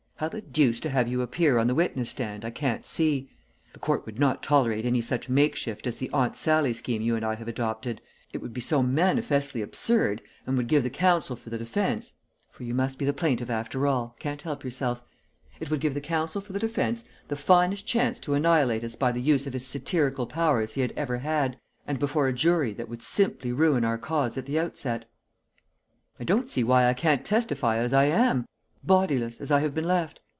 How the deuce to have you appear on the witness stand, I can't see. The court would not tolerate any such makeshift as the Aunt Sallie scheme you and I have adopted, it would be so manifestly absurd, and would give the counsel for the defence for you must be the plaintiff after all, can't help yourself it would give the counsel for the defence the finest chance to annihilate us by the use of his satirical powers he had ever had, and before a jury that would simply ruin our cause at the outset." "I don't see why I can't testify as I am bodiless as I have been left.